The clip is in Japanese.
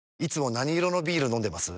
何色のビール飲んでます？